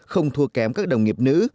không thua kém các đồng nghiệp nữ